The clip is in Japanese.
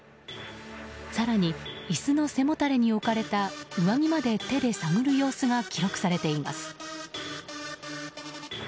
更に椅子の背もたれに置かれた上着まで手で探る様子が記録されています。